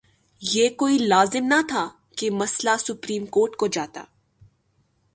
یہ کوئی لازم نہ تھا کہ مسئلہ سپریم کورٹ کو جاتا۔